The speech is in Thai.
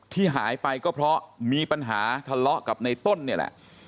ที่หายไปก็เพราะมีปัญหาทะเลาะกับในต้นเนี่ยแหละ